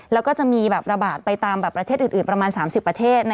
แล้วก็จะมีระบาดไปตามประเทศอื่นประมาณ๓๐ประเทศ